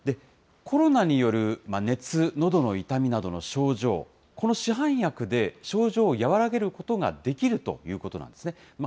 コロナによる熱、のどの痛みなどの症状、この市販薬で症状を和らげることができるということなんですね。